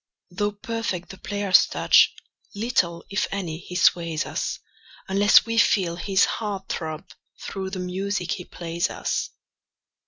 Though perfect the player's touch, little, if any, he sways us, Unless we feel his heart throb through the music he plays us.